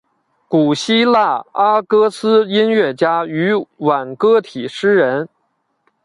古希腊阿哥斯音乐家与挽歌体诗人。